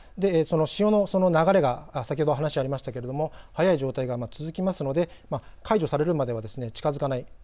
潮の流れが先ほどありましたが速い状態が続きますので解除されるまでは近づかない。